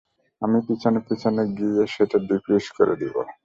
আমি পিছনে পিছনে গিয়ে সেটা ডিফিউজ করে দিব।